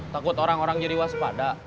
takut orang orang jadi waspada